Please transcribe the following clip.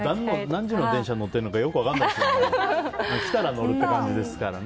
何時の電車に乗ってるのか良く分からないくらいですよね。